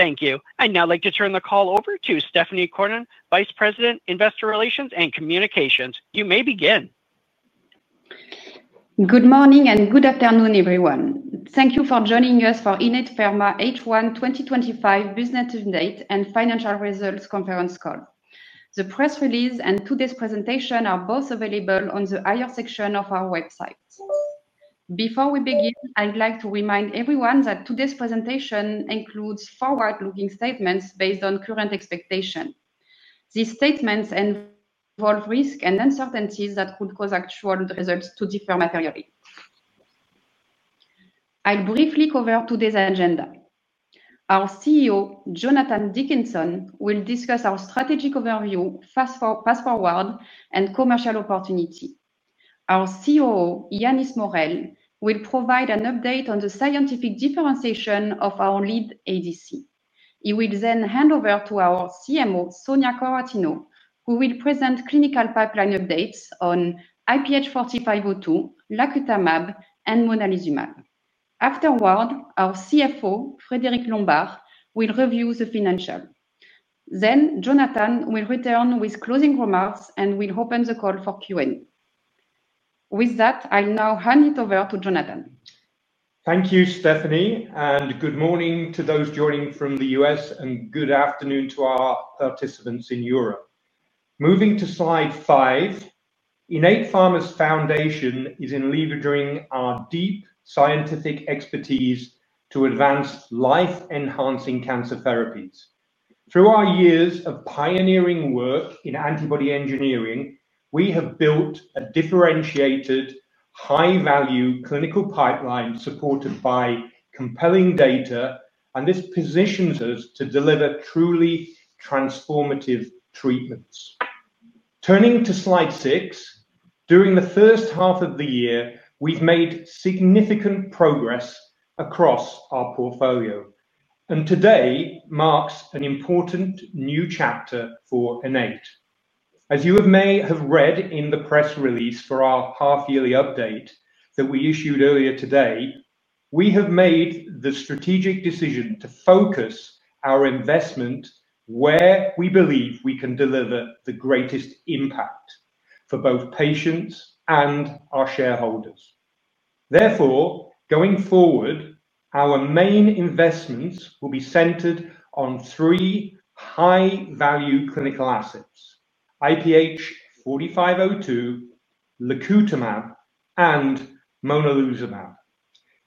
Thank you. I'd now like to turn the call over to Stéphanie Cornen, Vice President, Investor Relations and Communications. You may begin. Good morning and good afternoon, everyone. Thank you for joining us for Innate Pharma H1 2025 Business and Financial Results Conference call. The press release and today's presentation are both available on the investor section of our website. Before we begin, I'd like to remind everyone that today's presentation includes forward-looking statements based on current expectations. These statements involve risks and uncertainties that could cause actual results to differ materially. I'll briefly cover today's agenda. Our CEO, Jonathan Dickinson, will discuss our strategic overview, fast forward, and commercial opportunity. Our COO, Yannis Morel, will provide an update on the scientific differentiation of our lead ADC. He will then hand over to our CMO, Sonia Quaratino, who will present clinical pipeline updates on IPH4502, Lacutamab, and Monalizumab. Afterward, our CFO, Frédéric Lombard, will review the financials. Jonathan will return with closing remarks and will open the call for Q&A. With that, I'll now hand it over to Jonathan. Thank you, Stéphanie, and good morning to those joining from the U.S. and good afternoon to our participants in Europe. Moving to slide five, Innate Pharma's foundation is in leveraging our deep scientific expertise to advance life-enhancing cancer therapies. Through our years of pioneering work in antibody engineering, we have built a differentiated, high-value clinical pipeline supported by compelling data, and this positions us to deliver truly transformative treatments. Turning to slide six, during the first half of the year, we've made significant progress across our portfolio, and today marks an important new chapter for Innate Pharma. As you may have read in the press release for our half-yearly update that we issued earlier today, we have made the strategic decision to focus our investment where we believe we can deliver the greatest impact for both patients and our shareholders. Therefore, going forward, our main investments will be centered on three high-value clinical assets: IPH4502, Lacutamab, and Monalizumab.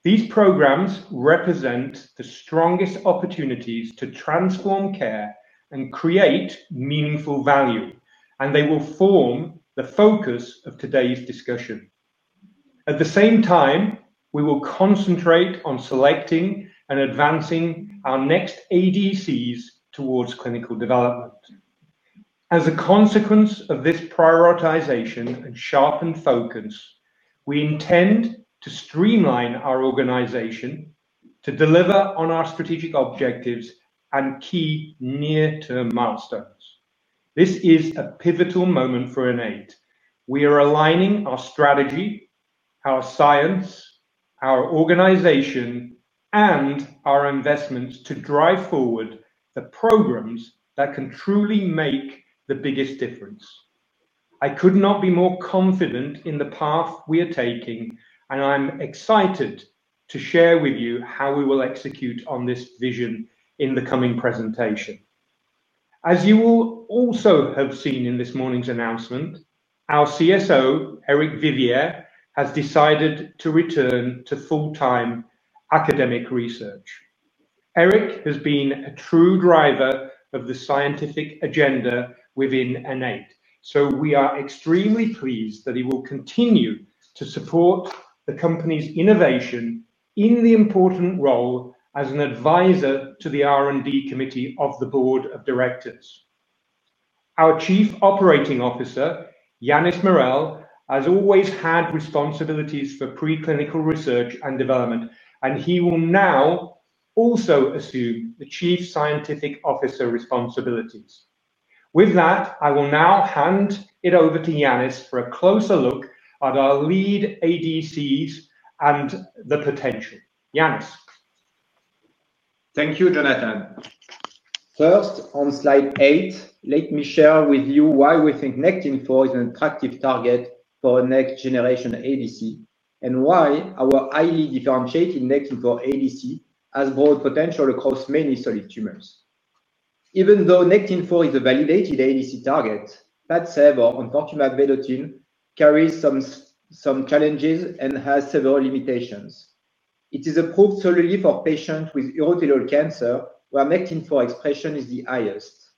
These programs represent the strongest opportunities to transform care and create meaningful value, and they will form the focus of today's discussion. At the same time, we will concentrate on selecting and advancing our next ADCs towards clinical development. As a consequence of this prioritization and sharpened focus, we intend to streamline our organization to deliver on our strategic objectives and key near-term milestones. This is a pivotal moment for Innate Pharma. We are aligning our strategy, our science, our organization, and our investments to drive forward the programs that can truly make the biggest difference. I could not be more confident in the path we are taking, and I'm excited to share with you how we will execute on this vision in the coming presentation. As you will also have seen in this morning's announcement, our Chief Scientific Officer, Eric Vivier, has decided to return to full-time academic research. Eric has been a true driver of the scientific agenda within Innate Pharma, so we are extremely pleased that he will continue to support the company's innovation in the important role as an advisor to the R&D Committee of the Board of Directors. Our Chief Operating Officer, Yannis Morel, has always had responsibilities for preclinical research and development, and he will now also assume the Chief Scientific Officer responsibilities. With that, I will now hand it over to Yannis for a closer look at our lead ADCs and the potential. Yannis. Thank you, Jonathan. First, on slide eight, let me share with you why we think NECTIN-4 is an attractive target for a next-generation ADC and why our highly differentiated NECTIN-4 ADC has broad potential across many solid tumors. Even though NECTIN-4 is a validated ADC target, enfortumab vedotin (PADCEV®) carries some challenges and has several limitations. It is approved solely for patients with urothelial cancer, where NECTIN-4 expression is the highest.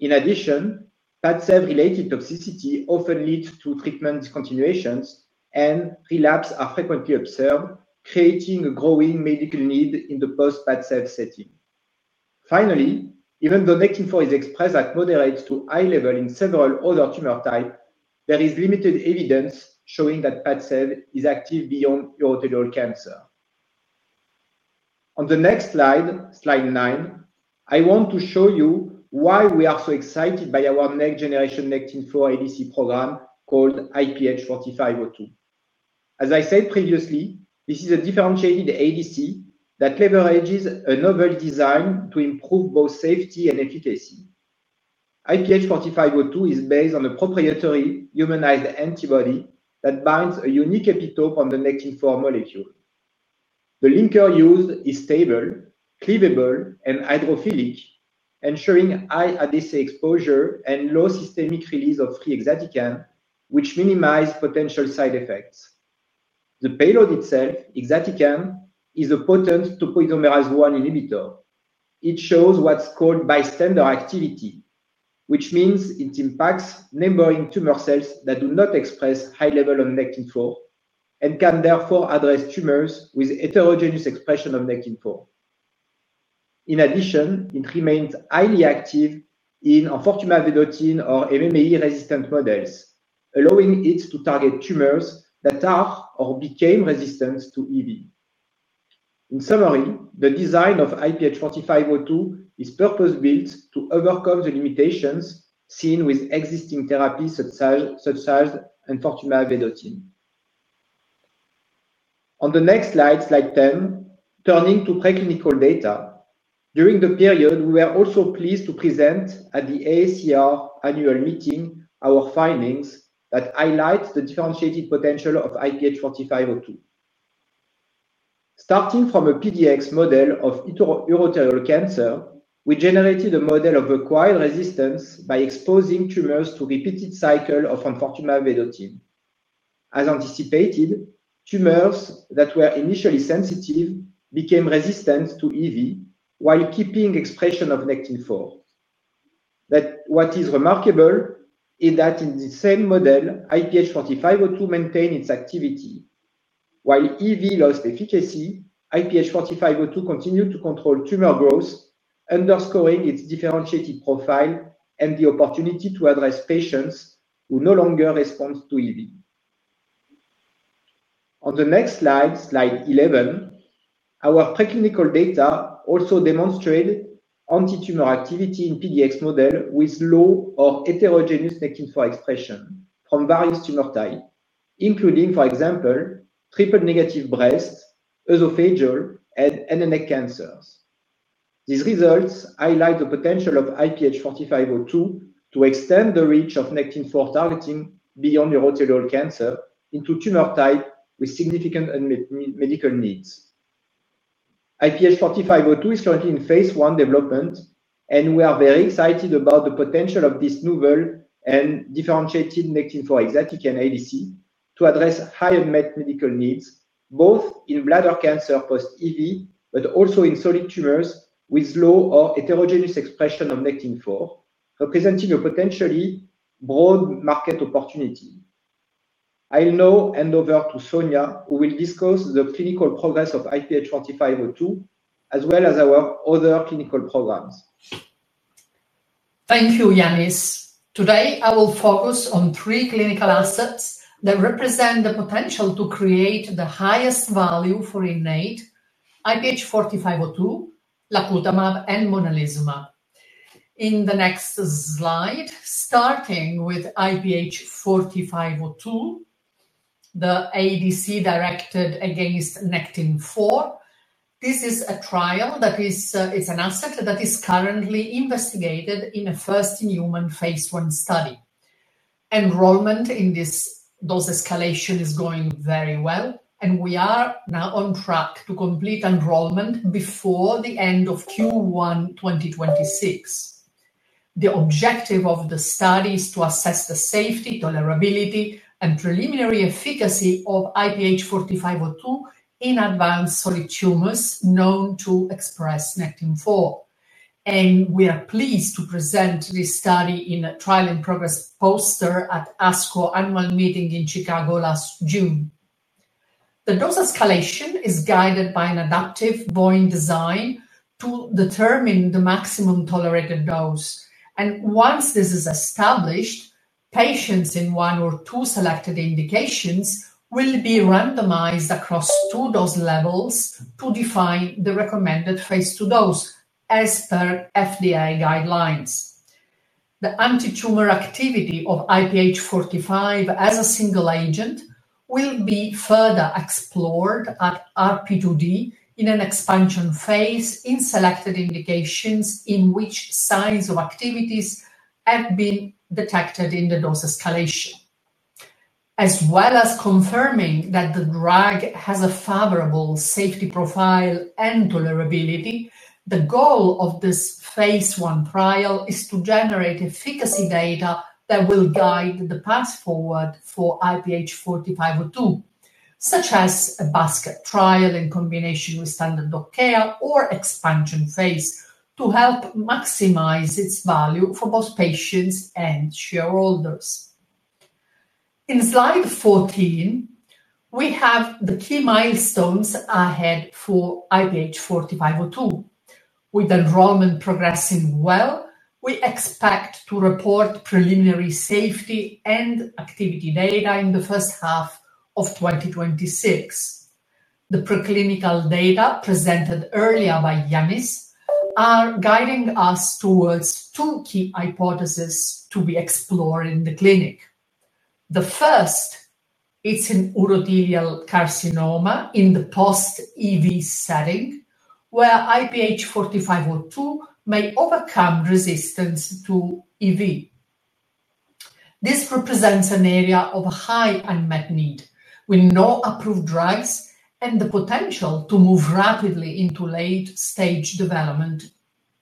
In addition, PADCEV-related toxicity often leads to treatment discontinuations, and relapses are frequently observed, creating a growing medical need in the post-PADCEV setting. Finally, even though NECTIN-4 is expressed at moderate to high level in several other tumor types, there is limited evidence showing that PADCEV is active beyond urothelial cancer. On the next slide, slide nine, I want to show you why we are so excited by our next-generation NECTIN-4 ADC program called IPH4502. As I said previously, this is a differentiated ADC that leverages a novel design to improve both safety and efficacy. IPH4502 is based on a proprietary humanized antibody that binds a unique epitope on the NECTIN-4 molecule. The linker used is stable, cleavable, and hydrophilic, ensuring high ADC exposure and low systemic release of free exatecan, which minimize potential side effects. The payload itself, exatecan, is a potent topoisomerase-1 inhibitor. It shows what's called bystander activity, which means it impacts neighboring tumor cells that do not express high level of NECTIN-4 and can therefore address tumors with heterogeneous expression of NECTIN-4. In addition, it remains highly active in enfortumab vedotin (PADCEV®) or MMAE-resistant models, allowing it to target tumors that have or became resistant to EV. In summary, the design of IPH4502 is purpose-built to overcome the limitations seen with existing therapies such as enfortumab vedotin (PADCEV®). On the next slide, slide 10, turning to preclinical data, during the period, we were also pleased to present at the AACR annual meeting our findings that highlight the differentiated potential of IPH4502. Starting from a PDX model of urothelial cancer, we generated a model of acquired resistance by exposing tumors to repeated cycles of enfortumab vedotin (PADCEV®). As anticipated, tumors that were initially sensitive became resistant to EV while keeping expression of NECTIN-4. What is remarkable is that in the same model, IPH4502 maintained its activity. While EV lost efficacy, IPH4502 continued to control tumor growth, underscoring its differentiated profile and the opportunity to address patients who no longer respond to EV. On the next slide, slide 11, our preclinical data also demonstrated anti-tumor activity in PDX models with low or heterogeneous NECTIN-4 expression from various tumor types, including, for example, triple-negative breast, esophageal, and NMN cancers. These results highlight the potential of IPH4502 to extend the reach of NECTIN-4 targeting beyond urothelial cancer into tumor types with significant medical needs. IPH4502 is currently in phase one development, and we are very excited about the potential of this novel and differentiated NECTIN-4 ADC to address high unmet medical needs, both in bladder cancer post-EV, but also in solid tumors with low or heterogeneous expression of NECTIN-4, representing a potentially broad market opportunity. I'll now hand over to Sonia, who will discuss the clinical progress of IPH4502, as well as our other clinical programs. Thank you, Yannis. Today, I will focus on three clinical assets that represent the potential to create the highest value for Innate: IPH4502, Lacutamab, and Monalizumab. In the next slide, starting with IPH4502, the ADC directed against NECTIN-4, this is a trial that is an asset that is currently investigated in a first-in-human phase one study. Enrollment in this dose escalation is going very well, and we are now on track to complete enrollment before the end of Q1 2026. The objective of the study is to assess the safety, tolerability, and preliminary efficacy of IPH4502 in advanced solid tumors known to express NECTIN-4. We are pleased to present this study in a trial-in-progress poster at the ASCO annual meeting in Chicago last June. The dose escalation is guided by an adaptive Bayesian design to determine the maximum tolerated dose, and once this is established, patients in one or two selected indications will be randomized across two dose levels to define the recommended phase two dose as per FDA guidelines. The anti-tumor activity of IPH4502 as a single agent will be further explored at RP2D in an expansion phase in selected indications in which signs of activity have been detected in the dose escalation. As well as confirming that the drug has a favorable safety profile and tolerability, the goal of this phase one trial is to generate efficacy data that will guide the path forward for IPH4502, such as a basket trial in combination with standard of care or expansion phase to help maximize its value for both patients and shareholders. In slide 14, we have the key milestones ahead for IPH4502. With enrollment progressing well, we expect to report preliminary safety and activity data in the first half of 2026. The preclinical data presented earlier by Yannis are guiding us towards two key hypotheses to be explored in the clinic. The first is in urothelial carcinoma in the post-EV setting, where IPH4502 may overcome resistance to EV. This represents an area of high unmet need with no approved drugs, and the potential to move rapidly into late-stage development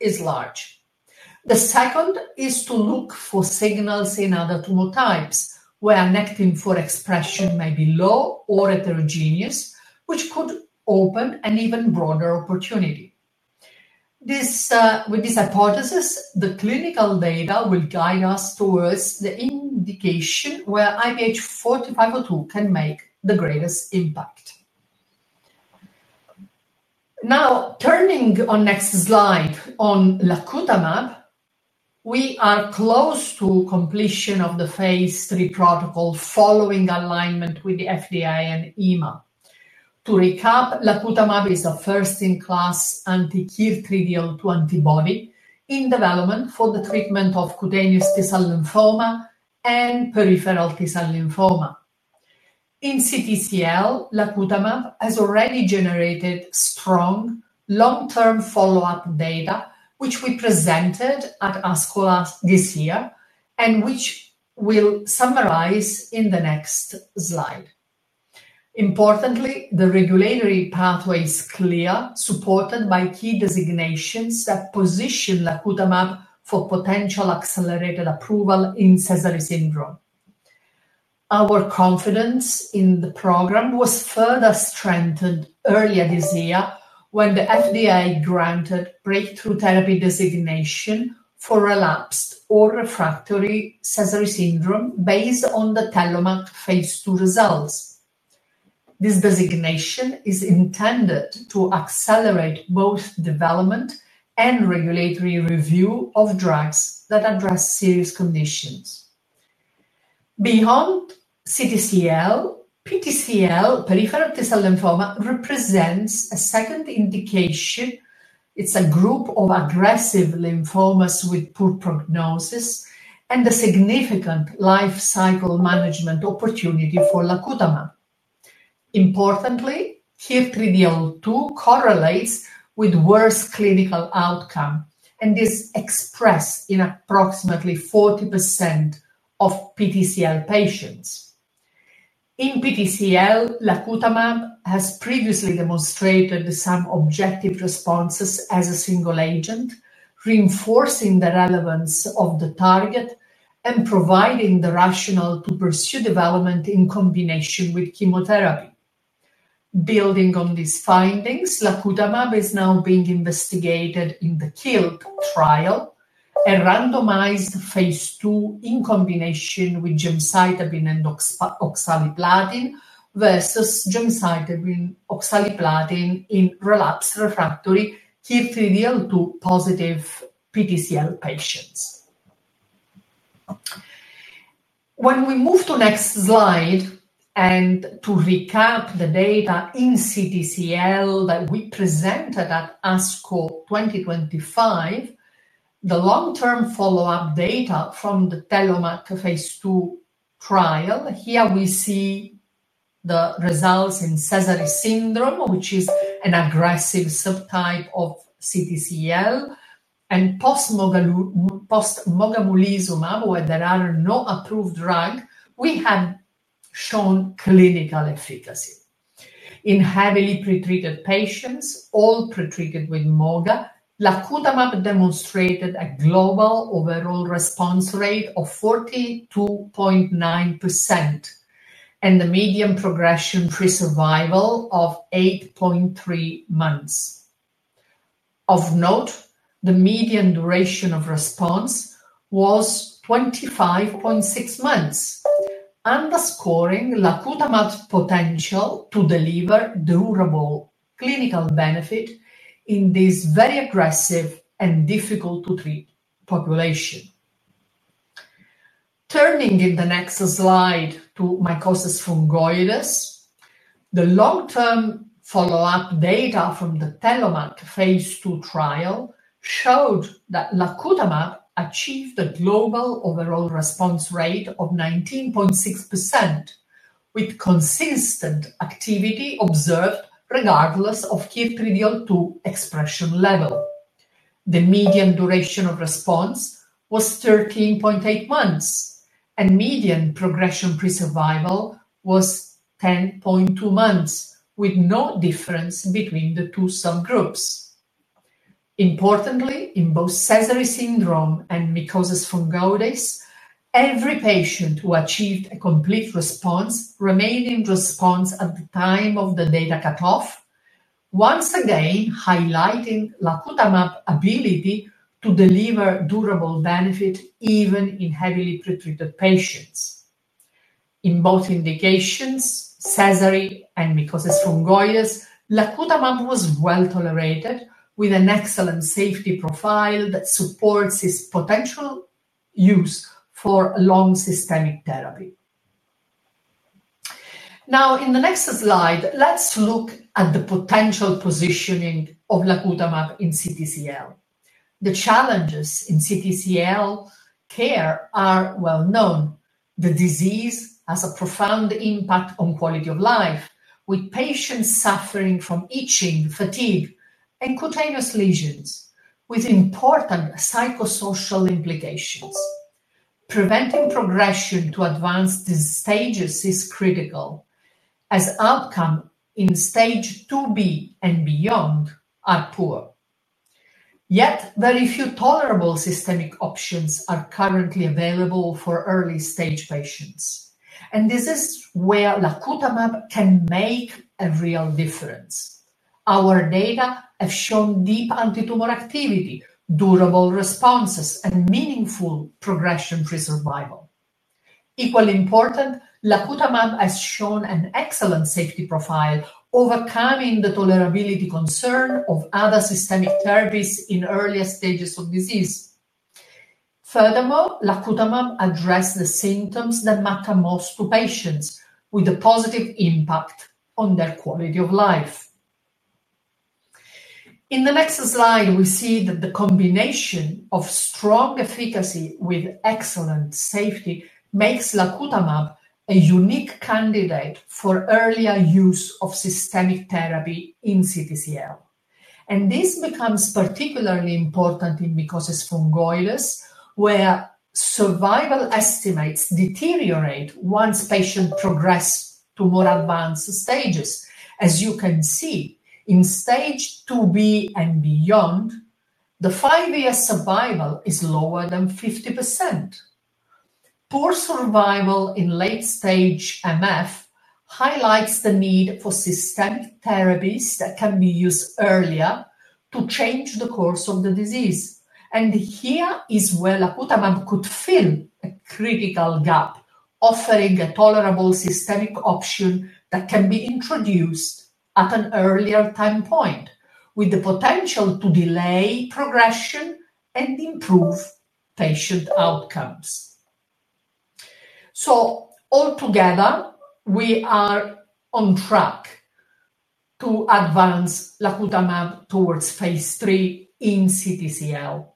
is large. The second is to look for signals in other tumor types where NECTIN-4 expression may be low or heterogeneous, which could open an even broader opportunity. With this hypothesis, the clinical data will guide us towards the indication where IPH4502 can make the greatest impact. Now, turning on next slide on Lacutamab, we are close to completion of the phase three protocol following alignment with the FDA and EMA. To recap, Lacutamab is a first-in-class anti-KIR3DL2 antibody in development for the treatment of cutaneous T-cell lymphoma and peripheral T-cell lymphoma. In CTCL, Lacutamab has already generated strong long-term follow-up data, which we presented at ASCO earlier this year and which we'll summarize in the next slide. Importantly, the regulatory pathway is clear, supported by key designations that position Lacutamab for potential accelerated approval in Sézary syndrome. Our confidence in the program was further strengthened earlier this year when the FDA granted breakthrough therapy designation for relapsed or refractory Sézary syndrome based on the TELLOMAK phase two results. This designation is intended to accelerate both development and regulatory review of drugs that address serious conditions. Beyond CTCL, PTCL, peripheral T-cell lymphoma, represents a second indication. It's a group of aggressive lymphomas with poor prognosis and a significant life cycle management opportunity for Lacutamab. Importantly, KIR3DL2 correlates with worse clinical outcomes, and this is expressed in approximately 40% of PTCL patients. In PTCL, Lacutamab has previously demonstrated some objective responses as a single agent, reinforcing the relevance of the target and providing the rationale to pursue development in combination with chemotherapy. Building on these findings, Lacutamab is now being investigated in the KILT trial, a randomized phase two in combination with gemcitabine and oxaliplatin versus gemcitabine and oxaliplatin in relapsed refractory KIR3DL2 positive PTCL patients. When we move to the next slide and to recap the data in CTCL that we presented at ASCO 2024, the long-term follow-up data from the TELLOMAK phase two trial, here we see the results in Sézary syndrome, which is an aggressive subtype of CTCL, and post-Mogamulizumab, where there are no approved drugs, we have shown clinical efficacy. In heavily pretreated patients, all pretreated with MOGA, Lacutamab demonstrated a global overall response rate of 42.9% and a median progression-free survival of 8.3 months. Of note, the median duration of response was 25.6 months, underscoring Lacutamab's potential to deliver durable clinical benefit in this very aggressive and difficult-to-treat population. Turning in the next slide to mycosis fungoides, the long-term follow-up data from the TELLOMAK phase 2 trial showed that Lacutamab achieved a global overall response rate of 19.6%, with consistent activity observed regardless of KIR3DL2 expression level. The median duration of response was 13.8 months, and median progression-free survival was 10.2 months, with no difference between the two subgroups. Importantly, in both Sézary syndrome and mycosis fungoides, every patient who achieved a complete response remained in response at the time of the data cutoff, once again highlighting Lacutamab's ability to deliver durable benefit even in heavily pretreated patients. In both indications, Sézary and mycosis fungoides, Lacutamab was well tolerated, with an excellent safety profile that supports its potential use for long systemic therapy. Now, in the next slide, let's look at the potential positioning of Lacutamab in CTCL. The challenges in CTCL care are well known. The disease has a profound impact on quality of life, with patients suffering from itching, fatigue, and cutaneous lesions, with important psychosocial implications. Preventing progression to advanced stages is critical, as outcomes in stage IIB and beyond are poor. Yet, very few tolerable systemic options are currently available for early-stage patients, and this is where Lacutamab can make a real difference. Our data have shown deep anti-tumor activity, durable responses, and meaningful progression-free survival. Equally important, Lacutamab has shown an excellent safety profile, overcoming the tolerability concern of other systemic therapies in earlier stages of disease. Furthermore, Lacutamab addresses the symptoms that matter most to patients, with a positive impact on their quality of life. In the next slide, we see that the combination of strong efficacy with excellent safety makes Lacutamab a unique candidate for earlier use of systemic therapy in CTCL. This becomes particularly important in mycosis fungoides, where survival estimates deteriorate once patients progress to more advanced stages. As you can see, in stage IIB and beyond, the five-year survival is lower than 50%. Poor survival in late-stage MF highlights the need for systemic therapies that can be used earlier to change the course of the disease. Here is where Lacutamab could fill a critical gap, offering a tolerable systemic option that can be introduced at an earlier time point, with the potential to delay progression and improve patient outcomes. Altogether, we are on track to advance Lacutamab towards phase three in cutaneous T-cell lymphoma.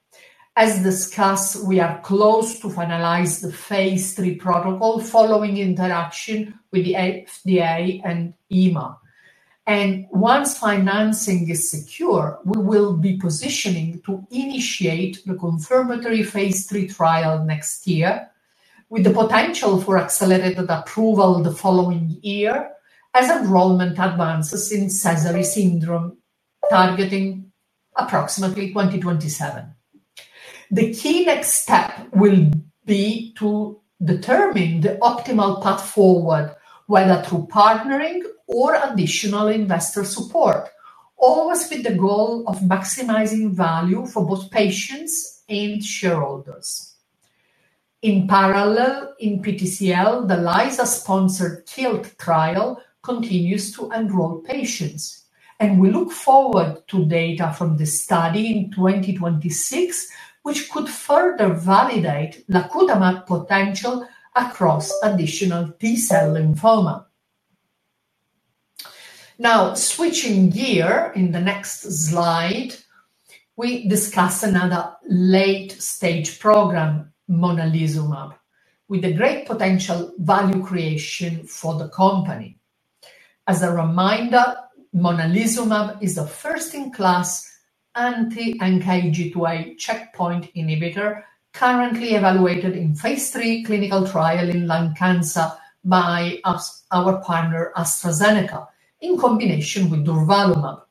As discussed, we are close to finalizing the phase three protocol following interaction with the FDA and EMA. Once financing is secure, we will be positioning to initiate the confirmatory phase three trial next year, with the potential for accelerated approval the following year as enrollment advances in Sézary syndrome, targeting approximately 2027. The key next step will be to determine the optimal path forward, whether through partnering or additional investor support, always with the goal of maximizing value for both patients and shareholders. In parallel, in peripheral T-cell lymphoma, the LISA-sponsored KILK trial continues to enroll patients, and we look forward to data from this study in 2026, which could further validate Lacutamab's potential across additional T-cell lymphoma. Now, switching gears in the next slide, we discuss another late-stage program, Monalizumab, with a great potential value creation for the company. As a reminder, Monalizumab is a first-in-class anti-NKG2A checkpoint inhibitor currently evaluated in phase three clinical trial in lung cancer by our partner AstraZeneca, in combination with durvalumab.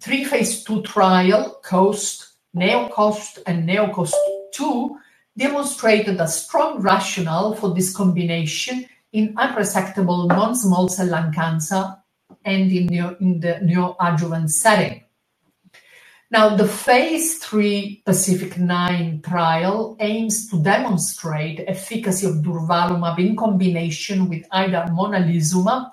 Three phase two trials, COST, NEO-COST, and NEO-COST-II, demonstrated a strong rationale for this combination in unresectable non-small cell lung cancer and in the neoadjuvant setting. The phase three PACIFIC-9 trial aims to demonstrate efficacy of durvalumab in combination with either Monalizumab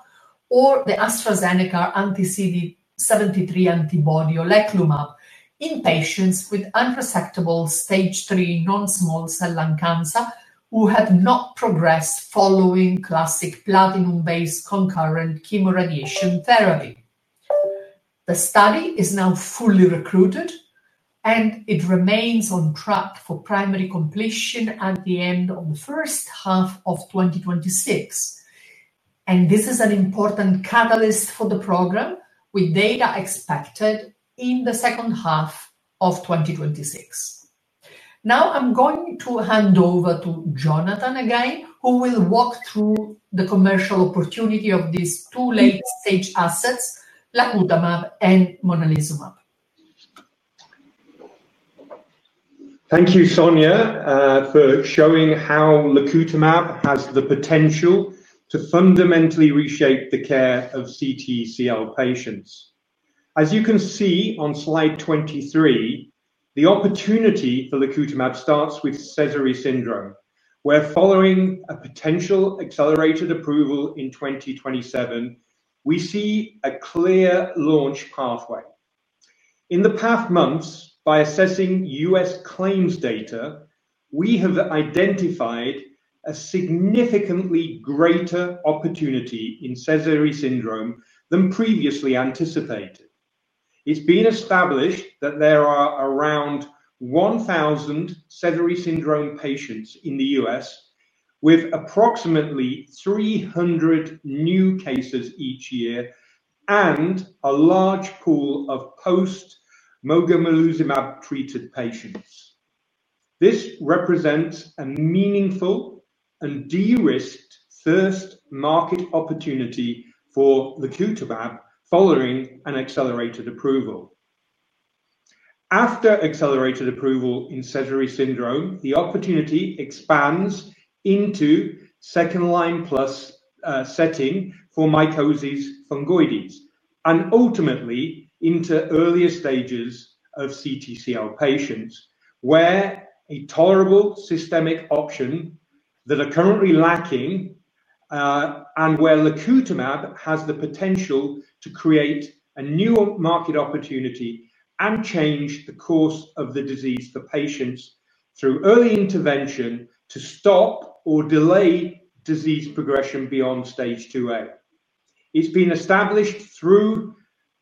or the AstraZeneca anti-CD73 antibody, or LECLUMAB, in patients with unresectable stage three non-small cell lung cancer who have not progressed following classic platinum-based concurrent chemoradiation therapy. The study is now fully recruited, and it remains on track for primary completion at the end of the first half of 2026. This is an important catalyst for the program, with data expected in the second half of 2026. Now, I'm going to hand over to Jonathan again, who will walk through the commercial opportunity of these two late-stage assets, Lacutamab and Monalizumab. Thank you, Sonia, for showing how Lacutamab has the potential to fundamentally reshape the care of CTCL patients. As you can see on slide 23, the opportunity for Lacutamab starts with Sézary syndrome, where following a potential accelerated approval in 2027, we see a clear launch pathway. In the past months, by assessing U.S. claims data, we have identified a significantly greater opportunity in Sézary syndrome than previously anticipated. It's been established that there are around 1,000 Sézary syndrome patients in the U.S., with approximately 300 new cases each year and a large pool of post-Mogamulizumab-treated patients. This represents a meaningful and de-risked first market opportunity for Lacutamab following an accelerated approval. After accelerated approval in Sézary syndrome, the opportunity expands into second-line plus setting for mycosis fungoides and ultimately into earlier stages of CTCL patients, where a tolerable systemic option is currently lacking and where Lacutamab has the potential to create a new market opportunity and change the course of the disease for patients through early intervention to stop or delay disease progression beyond stage IIA. It's been established through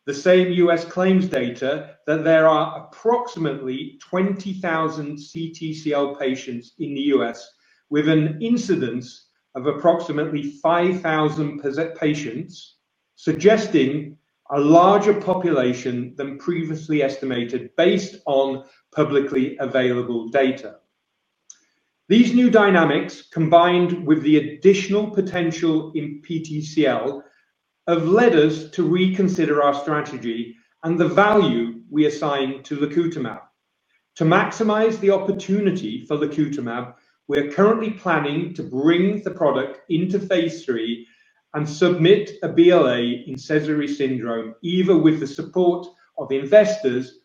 the same U.S. claims data that there are approximately 20,000 CTCL patients in the U.S., with an incidence of approximately 5,000 patients, suggesting a larger population than previously estimated based on publicly available data. These new dynamics, combined with the additional potential in PTCL, have led us to reconsider our strategy and the value we assign to Lacutamab. To maximize the opportunity for Lacutamab, we're currently planning to bring the product into phase three and submit a BLA in Sézary syndrome, either with the support of investors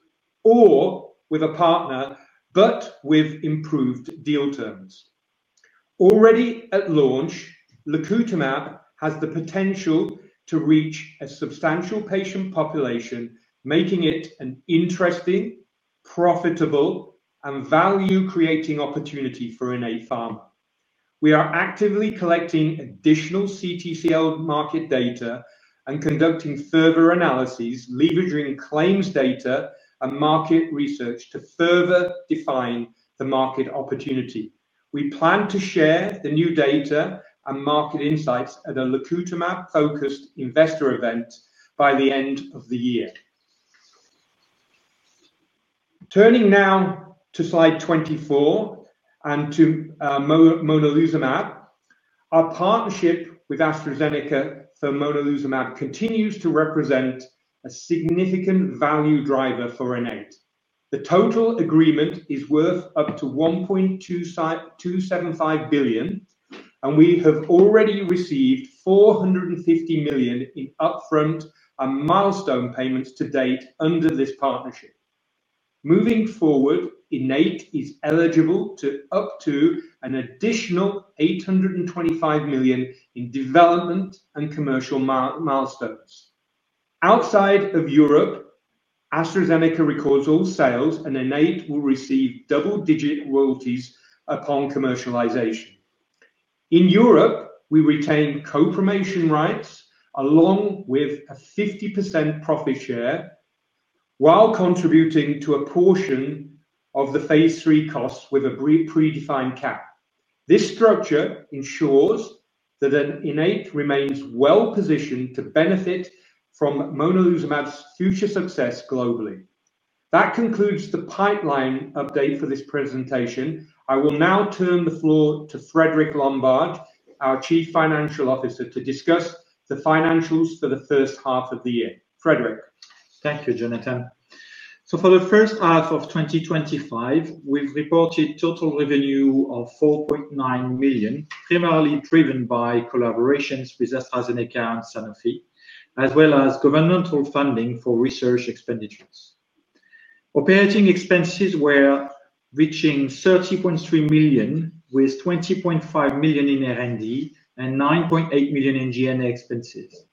or with a partner, but with improved deal terms. Already at launch, Lacutamab has the potential to reach a substantial patient population, making it an interesting, profitable, and value-creating opportunity for Innate Pharma. We are actively collecting additional CTCL market data and conducting further analyses, leveraging claims data and market research to further define the market opportunity. We plan to share the new data and market insights at a Lacutamab-focused investor event by the end of the year. Turning now to slide 24 and to Monalizumab, our partnership with AstraZeneca for Monalizumab continues to represent a significant value driver for Innate. The total agreement is worth up to $1.275 billion, and we have already received $450 million in upfront and milestone payments to date under this partnership. Moving forward, Innate is eligible for up to an additional $825 million in development and commercial milestones. Outside of Europe, AstraZeneca records all sales, and Innate will receive double-digit royalties upon commercialization. In Europe, we retain co-promotion rights along with a 50% profit share while contributing to a portion of the phase 3 costs with a predefined cap. This structure ensures that Innate remains well positioned to benefit from Monalizumab's future success globally. That concludes the pipeline update for this presentation. I will now turn the floor to Frédéric Lombard, our Chief Financial Officer, to discuss the financials for the first half of the year. Frédéric. Thank you, Jonathan. For the first half of 2025, we've reported a total revenue of $4.9 million, primarily driven by collaborations with AstraZeneca and Sanofi, as well as governmental funding for research expenditures. Operating expenses were reaching $30.3 million, with $20.5 million in R&D and $9.8 million in G&A expenses.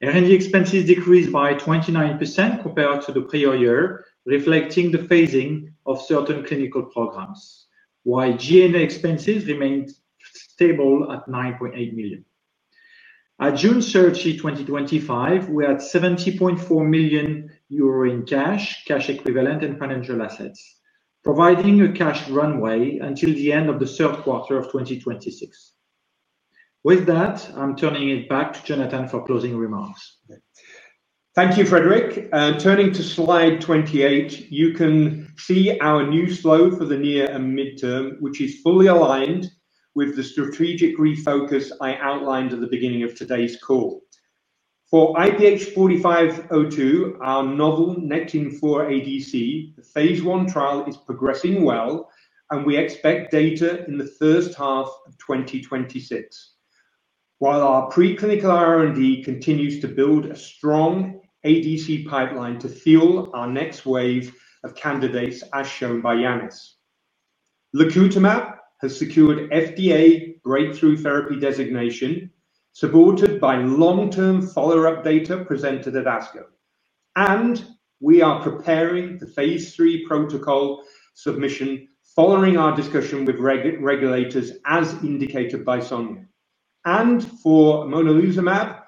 R&D expenses decreased by 29% compared to the prior year, reflecting the phasing of certain clinical programs, while G&A expenses remained stable at $9.8 million. At June 30, 2025, we're at $70.4 million in cash, cash equivalent, and financial assets, providing a cash runway until the end of the third quarter of 2026. With that, I'm turning it back to Jonathan for closing remarks. Thank you, Frédéric. Turning to slide 28, you can see our new flow for the near and midterm, which is fully aligned with the strategic refocus I outlined at the beginning of today's call. For IPH4502, our novel NECTIN-4 ADC phase one trial is progressing well, and we expect data in the first half of 2026, while our preclinical R&D continues to build a strong ADC pipeline to fuel our next wave of candidates, as shown by Yannis. Lacutamab has secured FDA breakthrough therapy designation, supported by long-term follow-up data presented at ASCO, and we are preparing the phase three protocol submission following our discussion with regulators, as indicated by Sonia. For Monalizumab,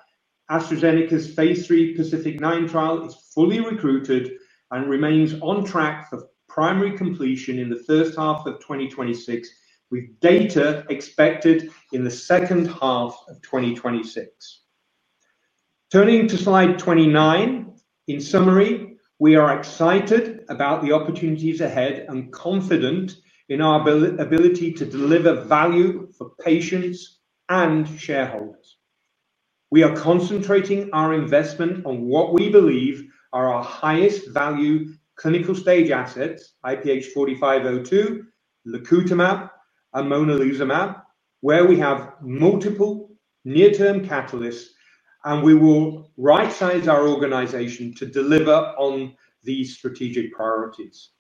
AstraZeneca's phase three PACIFIC-9 trial is fully recruited and remains on track for primary completion in the first half of 2026, with data expected in the second half of 2026. Turning to slide 29, in summary, we are excited about the opportunities ahead and confident in our ability to deliver value for patients and shareholders. We are concentrating our investment on what we believe are our highest value clinical stage assets, IPH4502, Lacutamab, and Monalizumab, where we have multiple near-term catalysts, and we will right-size our organization to deliver on these strategic priorities.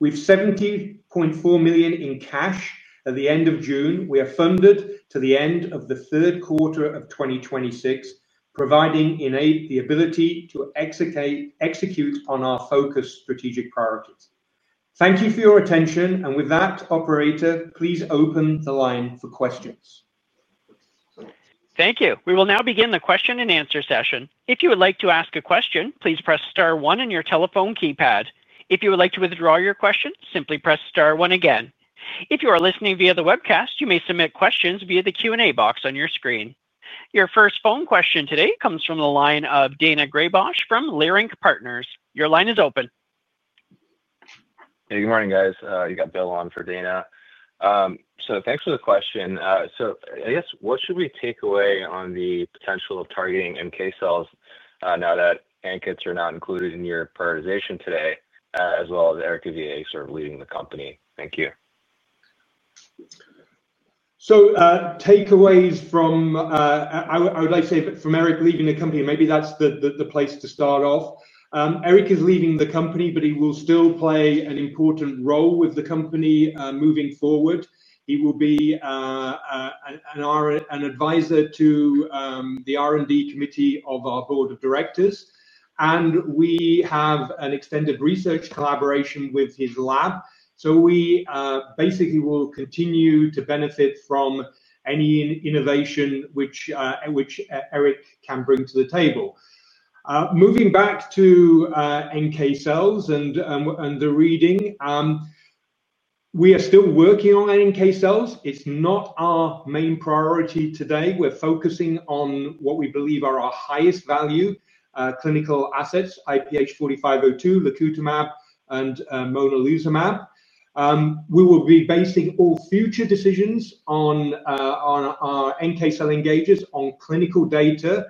With $70.4 million in cash at the end of June, we are funded to the end of the third quarter of 2026, providing Innate Pharma the ability to execute on our focused strategic priorities. Thank you for your attention, and with that, operator, please open the line for questions. Thank you. We will now begin the question and answer session. If you would like to ask a question, please press star one on your telephone keypad. If you would like to withdraw your question, simply press star one again. If you are listening via the webcast, you may submit questions via the Q&A box on your screen. Your first phone question today comes from the line of Dana Greybosch from Leerink Partners. Your line is open. Hey, good morning, guys. You got Bill on for Dana. Thanks for the question. What should we take away on the potential of targeting NK cells now that ANKET® assets are not included in your prioritization today, as well as Eric Vivier sort of leading the company? Thank you. Takeaways from Eric leaving the company, maybe that's the place to start off. Eric is leaving the company, but he will still play an important role with the company moving forward. He will be an advisor to the R&D committee of our Board of Directors, and we have an extended research collaboration with his lab. We basically will continue to benefit from any innovation which Eric can bring to the table. Moving back to NK cells and the reading, we are still working on NK cells. It's not our main priority today. We're focusing on what we believe are our highest value clinical assets, IPH4502, Lacutamab, and Monalizumab. We will be basing all future decisions on our NK cell engagers on clinical data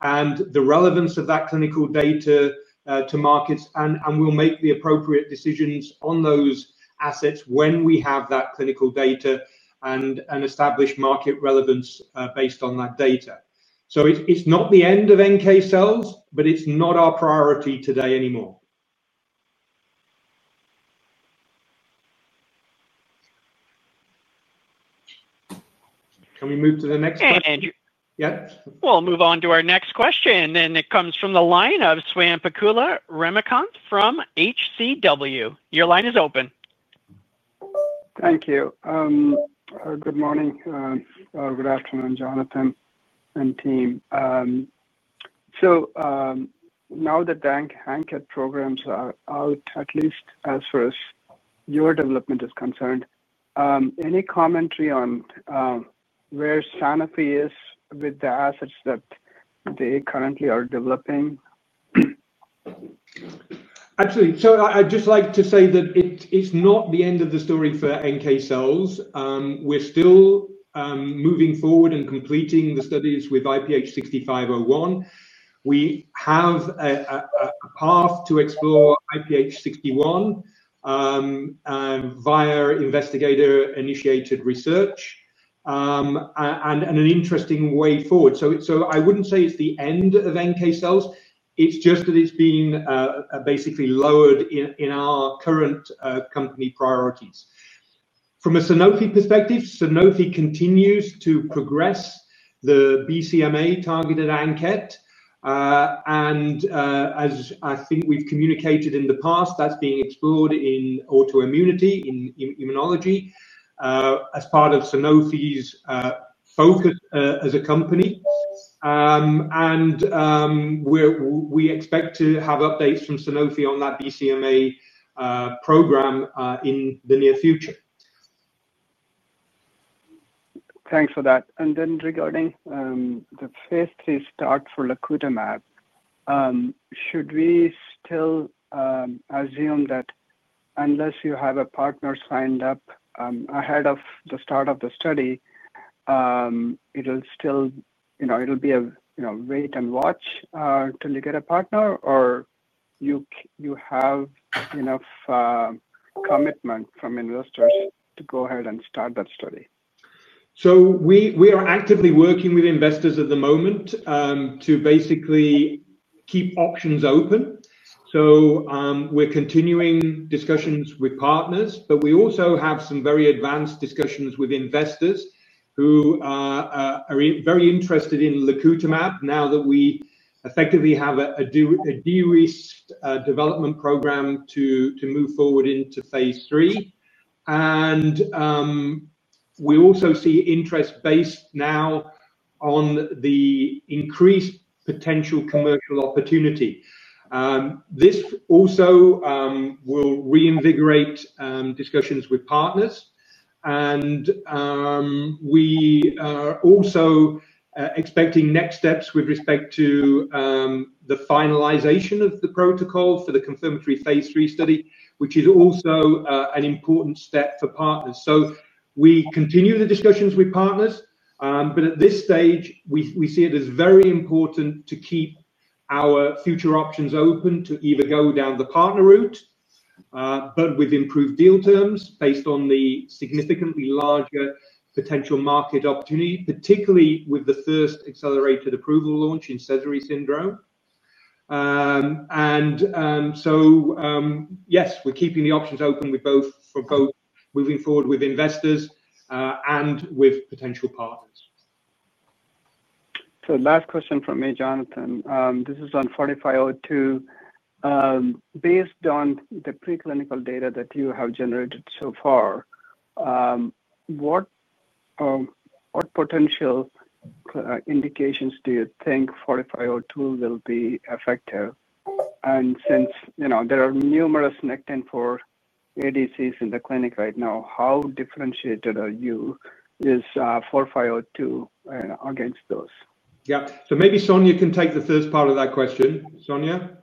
and the relevance of that clinical data to markets, and we'll make the appropriate decisions on those assets when we have that clinical data and establish market relevance based on that data. It's not the end of NK cells, but it's not our priority today anymore. Can we move to the next question? Yes. Yeah. We'll move on to our next question, and it comes from the line of Swayam Pekula, Remicont from HCW. Your line is open. Thank you. Good morning. Good afternoon, Jonathan and team. Now that the ANKET® programs are out, at least as far as your development is concerned, any commentary on where Sanofi is with the assets that they currently are developing? Absolutely. I'd just like to say that it's not the end of the story for NK cells. We're still moving forward and completing the studies with IPH6501. We have a path to explore IPH6101 via investigator-initiated research and an interesting way forward. I wouldn't say it's the end of NK cells. It's just that it's been basically lowered in our current company priorities. From a Sanofi perspective, Sanofi continues to progress the BCMA-targeted ANKET®, and as I think we've communicated in the past, that's being explored in autoimmunity, in immunology, as part of Sanofi's focus as a company. We expect to have updates from Sanofi on that BCMA program in the near future. Thanks for that. Regarding the phase three start for Lacutamab, should we still assume that unless you have a partner signed up ahead of the start of the study, it'll still be a wait and watch till you get a partner, or you have enough commitment from investors to go ahead and start that study? We are actively working with investors at the moment to basically keep options open. We're continuing discussions with partners, but we also have some very advanced discussions with investors who are very interested in Lacutamab now that we effectively have a de-risked development program to move forward into phase three. We also see interest based now on the increased potential commercial opportunity. This also will reinvigorate discussions with partners, and we are also expecting next steps with respect to the finalization of the protocol for the confirmatory phase three study, which is also an important step for partners. We continue the discussions with partners, but at this stage, we see it as very important to keep our future options open to either go down the partner route, but with improved deal terms based on the significantly larger potential market opportunity, particularly with the first accelerated approval launch in Sézary syndrome. Yes, we're keeping the options open for both moving forward with investors and with potential partners. Last question from me, Jonathan. This is on IPH4502. Based on the preclinical data that you have generated so far, what potential indications do you think IPH4502 will be effective? Since there are numerous NECTIN-4 ADCs in the clinic right now, how differentiated is IPH4502 against those? Yeah. Maybe Sonia can take the first part of that question. Sonia?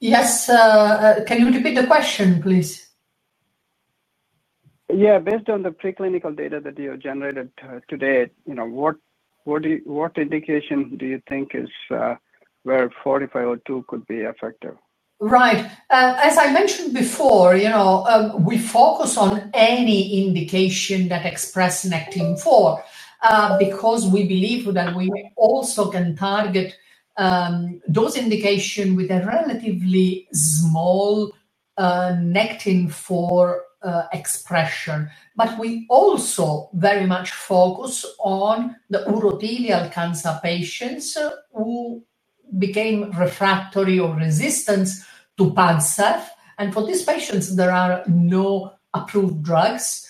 Yes, can you repeat the question, please? Yeah. Based on the preclinical data that you have generated today, you know what indication do you think is where IPH4502 could be effective? Right. As I mentioned before, we focus on any indication that expresses NECTIN-4 because we believe that we also can target those indications with a relatively small NECTIN-4 expression. We also very much focus on the urothelial cancer patients who became refractory or resistant to enfortumab vedotin. For these patients, there are no approved drugs.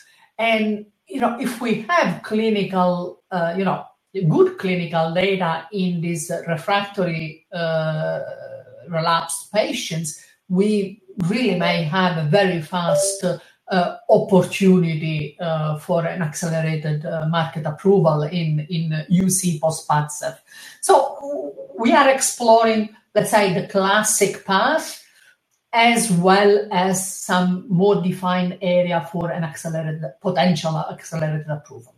If we have good clinical data in these refractory relapsed patients, we really may have a very fast opportunity for an accelerated market approval in urothelial cancer post-enfortumab vedotin. We are exploring the classic path as well as some more defined area for a potential accelerated approval.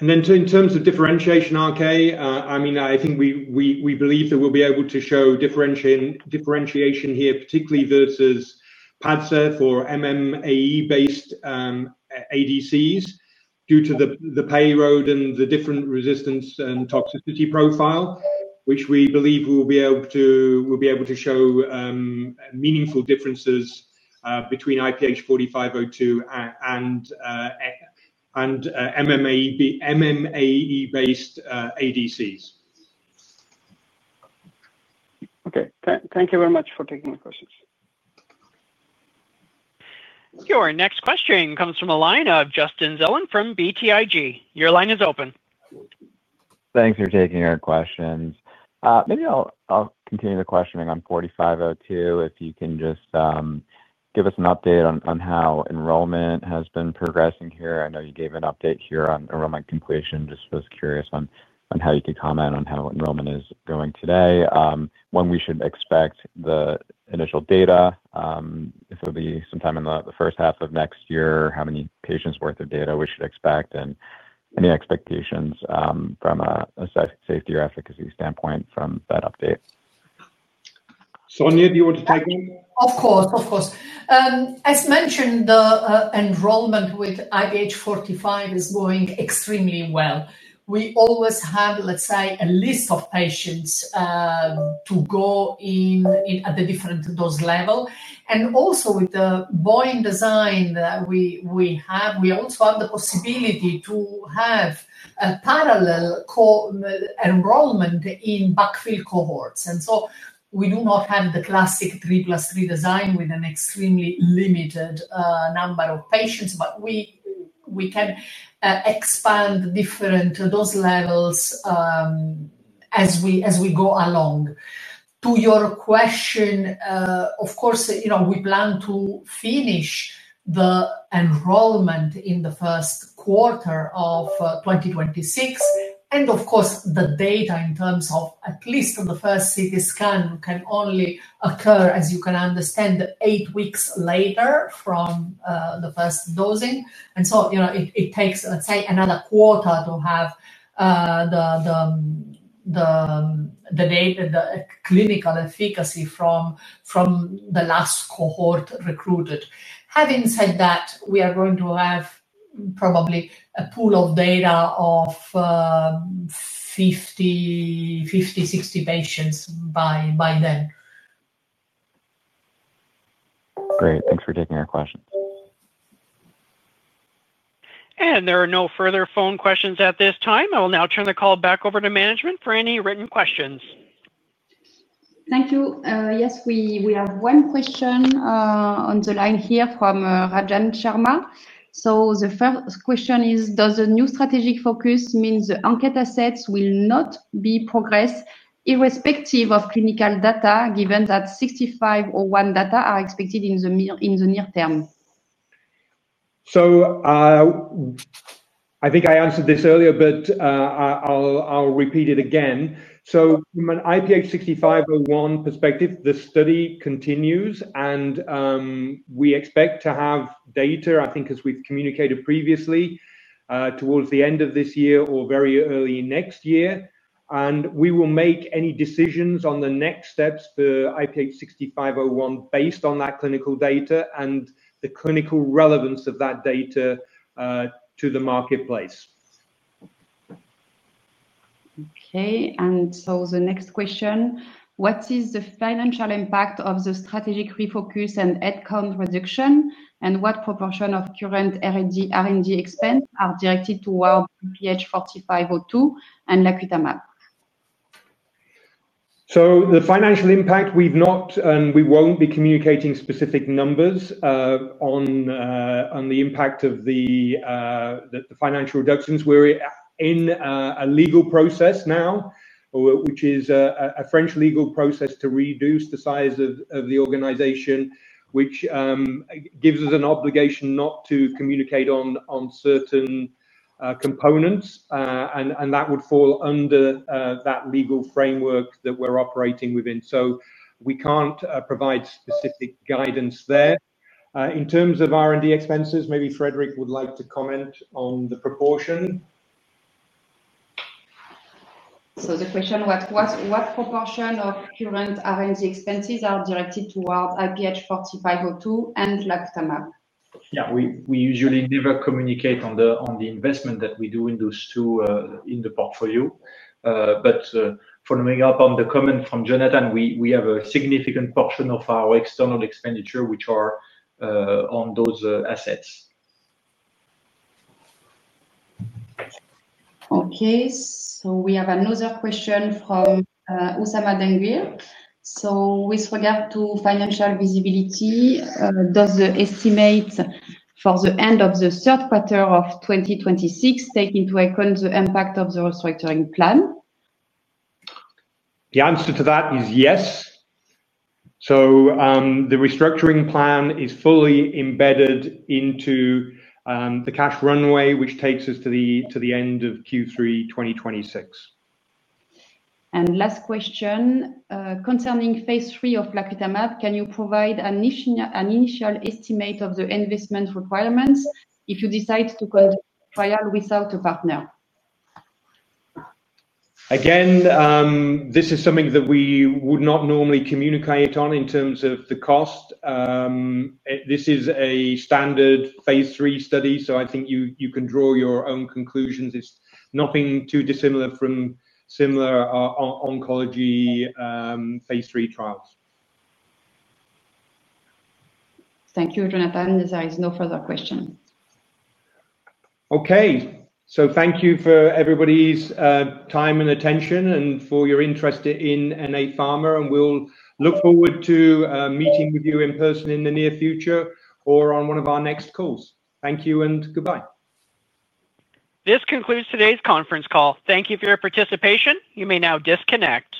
In terms of differentiation, RK, I think we believe that we'll be able to show differentiation here, particularly versus PADCEV or MMAE-based ADCs due to the payload and the different resistance and toxicity profile, which we believe we'll be able to show meaningful differences between IPH4502 and MMAE-based ADCs. Okay, thank you very much for taking the questions. Your next question comes from a line of Justin Zelen from BTIG. Your line is open. Thanks for taking your questions. Maybe I'll continue the questioning on IPH4502. If you can just give us an update on how enrollment has been progressing here. I know you gave an update here on enrollment completion. Just was curious on how you could comment on how enrollment is going today, when we should expect the initial data, if it'll be sometime in the first half of next year, how many patients' worth of data we should expect, and any expectations from a safety or efficacy standpoint from that update. Sonia, do you want to take it? Of course, of course. As mentioned, the enrollment with IPH4502 is going extremely well. We always have, let's say, a list of patients to go in at the different dose levels. Also, with the Bayesian design that we have, we have the possibility to have a parallel enrollment in backfill cohorts. We do not have the classic 3+3 design with an extremely limited number of patients, but we can expand different dose levels as we go along. To your question, of course, you know we plan to finish the enrollment in the first quarter of 2026. The data in terms of at least the first CT scan can only occur, as you can understand, eight weeks later from the first dosing. It takes, let's say, another quarter to have the data of the clinical efficacy from the last cohort recruited. Having said that, we are going to have probably a pool of data of 50, 60 patients by then. Great. Thanks for taking our questions. There are no further phone questions at this time. I will now turn the call back over to management for any written questions. Thank you. Yes, we have one question on the line here from Rajan Sharma. The first question is, does the new strategic focus mean the ANKET® assets will not be progressed irrespective of clinical data, given that IPH6501 data are expected in the near term? I think I answered this earlier, but I'll repeat it again. From an IPH6501 perspective, the study continues, and we expect to have data, I think, as we've communicated previously, towards the end of this year or very early next year. We will make any decisions on the next steps for IPH6501 based on that clinical data and the clinical relevance of that data to the marketplace. Okay. The next question, what is the financial impact of the strategic refocus and headcount reduction, and what proportion of current R&D expense are directed toward IPH4502 and Lacutamab? The financial impact, we've not and we won't be communicating specific numbers on the impact of the financial reductions. We're in a legal process now, which is a French legal process to reduce the size of the organization, which gives us an obligation not to communicate on certain components. That would fall under that legal framework that we're operating within. We can't provide specific guidance there. In terms of R&D expenses, maybe Frédéric would like to comment on the proportion. What proportion of current R&D expenses are directed toward IPH4502 and Lacutamab? Yeah. We usually never communicate on the investment that we do in those two in the portfolio. Following up on the comment from Jonathan, we have a significant portion of our external expenditure which are on those assets. Okay. We have another question from Oussama Ben Gvir. With regard to financial visibility, does the estimate for the end of the third quarter of 2026 take into account the impact of the restructuring plan? The answer to that is yes. The restructuring plan is fully embedded into the cash runway, which takes us to the end of Q3 2026. Last question, concerning phase 3 of Lacutamab, can you provide an initial estimate of the investment requirements if you decide to go to trial without a partner? Again, this is something that we would not normally communicate on in terms of the cost. This is a standard phase 3 study, so I think you can draw your own conclusions. It's nothing too dissimilar from similar oncology phase 3 trials. Thank you, Jonathan. There is no further question. Thank you for everybody's time and attention and for your interest in Innate Pharma. We'll look forward to meeting with you in person in the near future or on one of our next calls. Thank you and goodbye. This concludes today's conference call. Thank you for your participation. You may now disconnect.